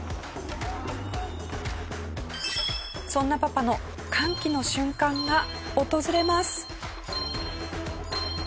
そんなパパの歓喜の瞬間が訪れます。